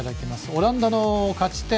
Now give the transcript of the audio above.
オランダの勝ち点７。